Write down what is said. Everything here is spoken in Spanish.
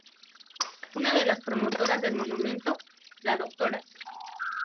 Una de las promotoras del monumento, la Dra.